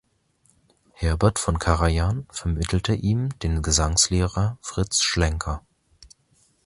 Herbert von Karajan vermittelte ihm den Gesangslehrer Fritz Schlenker.